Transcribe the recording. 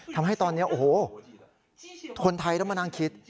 ทำให้ตอนนี้โอ้โหคนไทยต้องมานั่งคิด